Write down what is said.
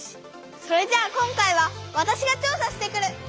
それじゃあ今回はわたしが調さしてくる！